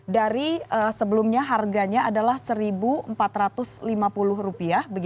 dari sebelumnya harganya adalah rp satu empat ratus lima puluh